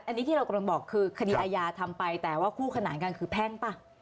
อันนี้ที่เรากำลังบอกคือคดีอาญาทำไปแต่ว่าคู่ขนานกันคือแพ่งป่ะ